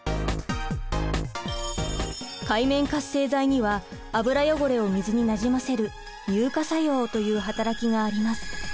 界面活性剤には油汚れを水になじませる乳化作用という働きがあります。